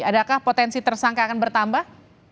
adakah potensi tersangka akan bertambah